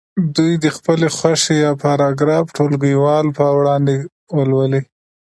دوی دې د خپلې خوښې پاراګراف ټولګیوالو په وړاندې ولولي.